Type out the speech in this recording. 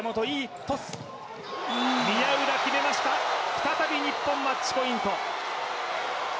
再び日本、マッチポイント。